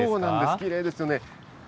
きれいですよね。